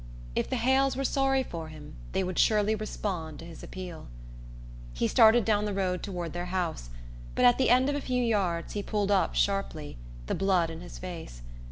If the Hales were sorry for him they would surely respond to his appeal... He started down the road toward their house, but at the end of a few yards he pulled up sharply, the blood in his face.